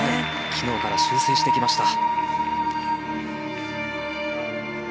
昨日から修正してきました。